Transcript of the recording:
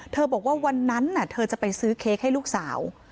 บอกว่าวันนั้นเธอจะไปซื้อเค้กให้ลูกสาว